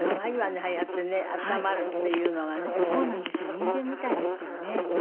人間みたいですよね。